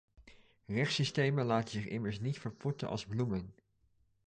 Rechtssystemen laten zich immers niet verpotten als bloemen.